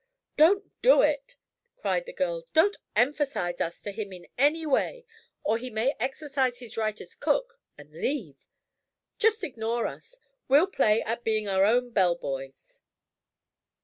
"Don't do it," cried the girl. "Don't emphasize us to him in any way, or he may exercise his right as cook and leave. Just ignore us. We'll play at being our own bell boys."